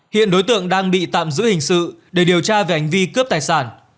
hiện đối tượng đang bị tạm giữ hình sự để điều tra về hành vi cướp tài sản